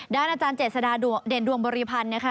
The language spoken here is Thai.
ด้านอาจารย์เจษฎาเด่นดวงบริพันธ์